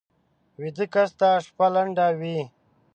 ویده کس ته شپه لنډه وي